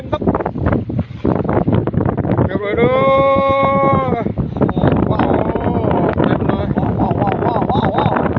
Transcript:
นั่งขี่เลยพี่นั่งขี่เลย